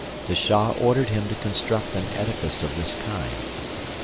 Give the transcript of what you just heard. The Shah ordered him to construct an edifice of this kind.